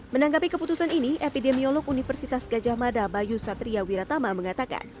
menanggapi keputusan ini epidemiolog universitas gajah mada bayu satria wiratama mengatakan